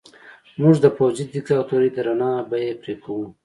موږ د پوځي دیکتاتورۍ درنه بیه پرې کوو.